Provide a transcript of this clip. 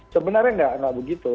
sebenarnya nggak begitu